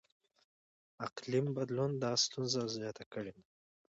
اقلیم بدلون دا ستونزه زیاته کړې ده.